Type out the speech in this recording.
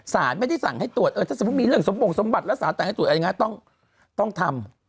สารไม่ได้สั่งให้ตรวจถ้าสมมุติมีเรื่องสมบัติแล้วสารต่างให้ตรวจต้องทำ